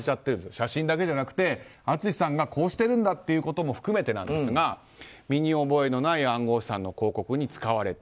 写真だけじゃなくて淳さんがこうしてるんだということも含めてなんですが身に覚えのない暗号資産の広告に使われた。